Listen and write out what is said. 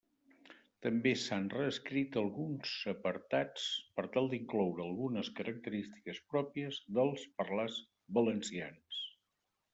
També s'han reescrit alguns apartats per tal d'incloure algunes característiques pròpies dels parlars valencians.